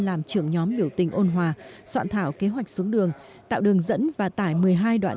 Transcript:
làm trưởng nhóm biểu tình ôn hòa soạn thảo kế hoạch xuống đường tạo đường dẫn và tải một mươi hai đoạn